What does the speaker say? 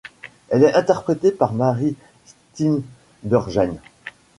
Elle est interprétée par Mary Steenburgen.